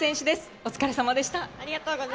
お疲れ様でした。